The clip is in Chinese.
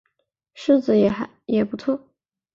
柿子也不错